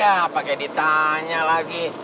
ya pake ditanya lagi